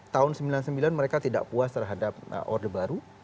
tahun seribu sembilan ratus sembilan puluh sembilan mereka tidak puas terhadap orde baru